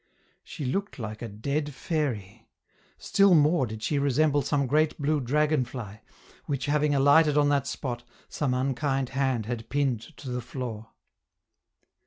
She looked like a dead fairy; still more did she resemble some great blue dragon fly, which, having alighted on that spot, some unkind hand had pinned to the floor.